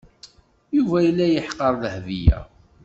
Yuba yella yeḥqer Dahbiya.